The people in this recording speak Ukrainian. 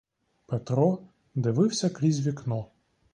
Петро дивився крізь вікно.